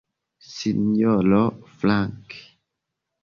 Sinjoro Frank?